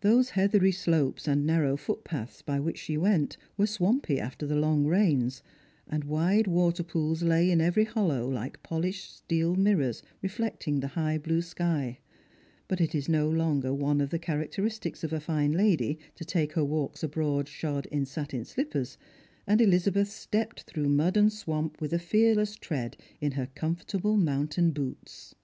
Those heathery slopes and narrow footpaths by "vhich she went were swampy after the long rains, and wide water pools lay in every hollow, like poUshed steel mirrors re flecting the high blue sky ; but it is no longer one of thecharac teristics of a fine lady to take her walks abroad shod in satiii slippers, and Elizabeth stepped through mud and swamp with a fearless tread, in her comfortable mountain boots.